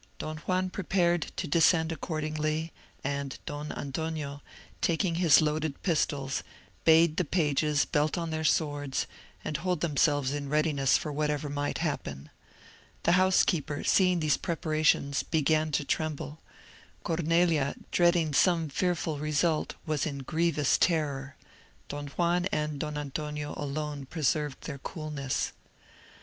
Don Juan prepared to descend accordingly, and Don Antonio, taking his loaded pistols, bade the pages belt on their swords, and hold themselves in readiness for whatever might happen. The housekeeper, seeing these preparations began to tremble,—Cornelia, dreading some fearful result was in grievous terror,—Don Juan and Don Antonio alone preserved their coolness.